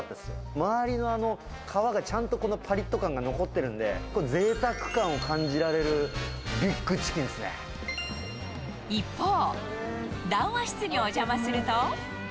周りの皮がちゃんとぱりっと感が残ってるんで、ぜいたく感を感じ一方、談話室にお邪魔すると。